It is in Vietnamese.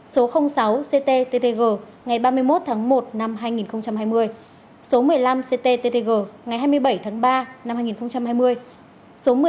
số sáu cttg ngày ba mươi một tháng một năm hai nghìn hai mươi số một mươi năm cttg ngày hai mươi bảy tháng ba năm hai nghìn hai mươi